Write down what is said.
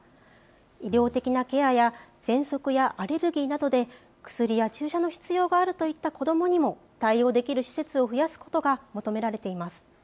医療的なケアや、ぜんそくやアレルギーなどで、薬や注射の必要があるといった子どもにも対応できる施設を増やすことが求められています。